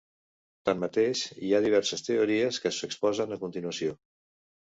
Tanmateix, hi ha diverses teories que s'exposen a continuació.